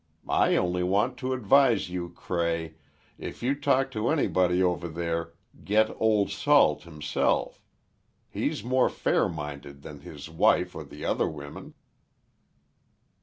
I only want to advise you, Cray, if you talk to anybody over there, get Old Salt himself. He's more fair minded than his wife or the other women."